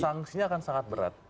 sangsinya akan sangat berat